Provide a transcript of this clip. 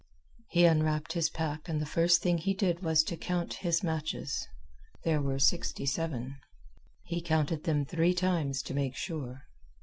He unwrapped his pack and the first thing he did was to count his matches. There were sixty seven. He counted them three times to make sure.